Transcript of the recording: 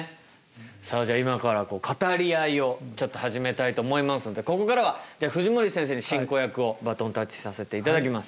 さあじゃあ今から語り合いをちょっと始めたいと思いますのでここからはじゃあ藤森先生に進行役をバトンタッチさせていただきます。